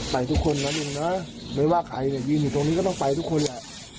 ไปทุกคนนะลุงนะไม่ว่าใครเนี่ยยืนอยู่ตรงนี้ก็ต้องไปทุกคนแหละ